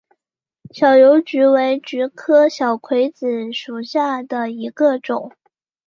小油菊为菊科小葵子属下的一个种。